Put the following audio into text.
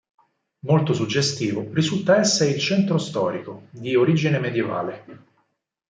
Molto suggestivo risulta essere il centro storico, di origine medievale.